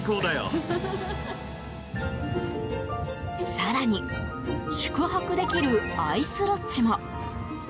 更に、宿泊できるアイスロッジも。